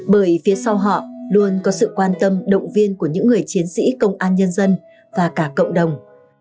bởi phía sau họ luôn có sự quan tâm động viên của những người chiến sĩ công an nhân dân và cả cộng đồng